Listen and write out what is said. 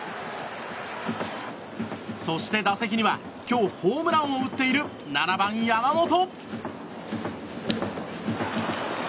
そして打席には今日ホームランを打っている７番、山本。